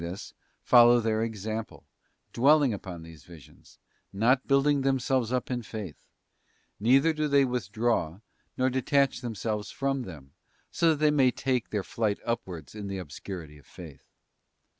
this, follow their example, dwelling upon these visions, not building themselves up in faith; neither do they withdraw, nor detach themselves from them, so that they may take their flight upwards in the obscurity of faith.